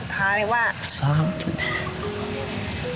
ข้างสุดท้ายว่า